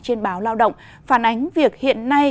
trên báo lao động phản ánh việc hiện nay